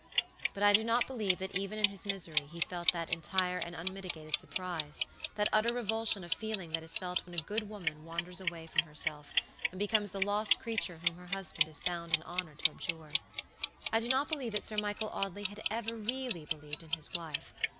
But I do not believe that even in his misery he felt that entire and unmitigated surprise, that utter revulsion of feeling that is felt when a good woman wanders away from herself and becomes the lost creature whom her husband is bound in honor to abjure. I do not believe that Sir Michael Audley had ever really believed in his wife.